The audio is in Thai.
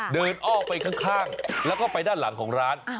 อ้อไปข้างแล้วก็ไปด้านหลังของร้าน